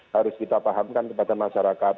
harus kita pahamkan kepada masyarakat